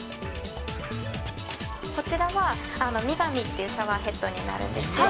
こちらはミガミっていうシャワーヘッドになるんですけど。